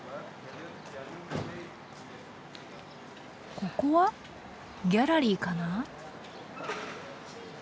ここはギャラリーかな。